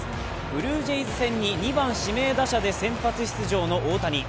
ブルージェイズ戦に２番指名打者で先発出場の大谷。